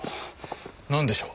なんでしょう？